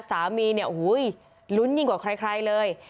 สามีเนี่ยโอ้โหลุ้นยิ่งกว่าใครเลย